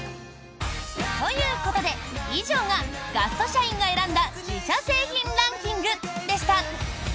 ということで、以上がガスト社員が選んだ自社製品ランキングでした。